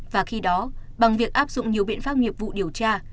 và khi đó bằng việc áp dụng nhiều biện pháp nghiệp vụ điều tra